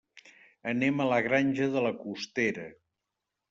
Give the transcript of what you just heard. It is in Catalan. Anem a la Granja de la Costera.